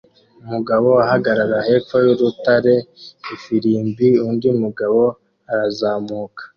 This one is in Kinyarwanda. umugabo ahagarara hepfo yurutare ifirimbi undi mugabo arazamuka